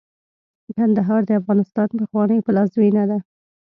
کندهار د افغانستان پخوانۍ پلازمېنه ده.